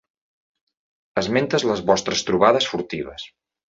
Esmentes les vostres trobades furtives.